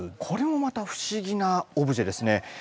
これもまた不思議なオブジェですね。